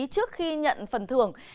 trước khi nhận phần thường